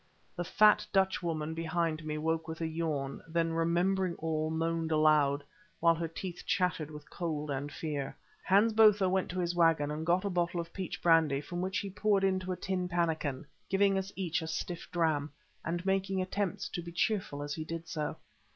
The fat Dutchwoman behind me woke with a yawn, then, remembering all, moaned aloud, while her teeth chattered with cold and fear. Hans Botha went to his waggon and got a bottle of peach brandy, from which he poured into a tin pannikin, giving us each a stiff dram, and making attempts to be cheerful as he did so.